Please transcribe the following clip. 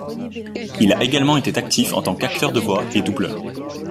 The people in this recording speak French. Il a également été actif en tant qu'acteur de voix et doubleur.